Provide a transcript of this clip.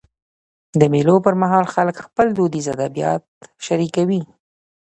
د مېلو پر مهال خلک خپل دودیز ادبیات شريکوي.